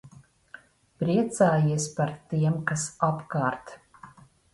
Priecājies par tiem, kas apkārt.